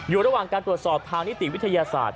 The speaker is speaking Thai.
อยู่ระหว่างการตรวจสอบทางนิติวิทยาศาสตร์